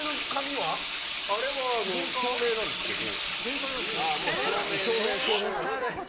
あれは照明なんですけど。